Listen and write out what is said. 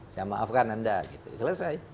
saya maafkan anda gitu selesai